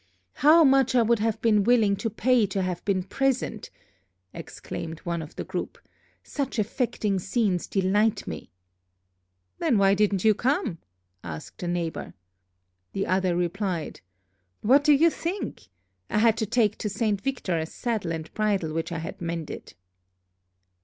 "How much I would have been willing to pay to have been present," exclaimed one of the group; "such affecting scenes delight me." "Then why didn't you come?" asked a neighbor. The other replied, "What do you think? I had to take to Saint Victor a saddle and bridle which I had mended."